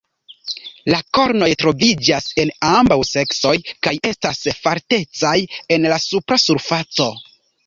La kornoj troviĝas en ambaŭ seksoj kaj estas faltecaj en la supra surfaco.